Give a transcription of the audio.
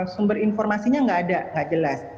sumber informasinya gak ada gak jelas